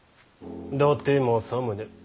伊達政宗。